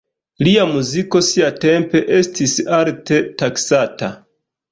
Lia muziko siatempe estis alte taksata.